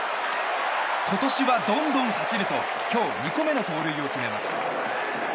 今年はどんどん走ると今日２個目の盗塁を決めます。